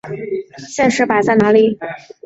现实摆在哪里！